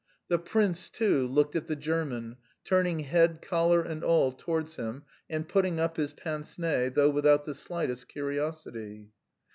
The prince, too, looked at the German, turning head, collar and all, towards him and putting up his pince nez, though without the slightest curiosity.